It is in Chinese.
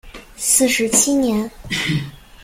四十七年。